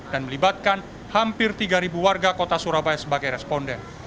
dan melibatkan hampir tiga warga kota surabaya sebagai responden